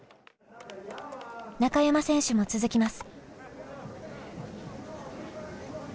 中山選手も続きます。